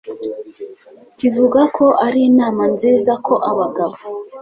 kivuga ko ari inama nziza ko abagabo